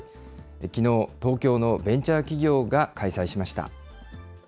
きのう、東京のベンチャー企業が開催しました。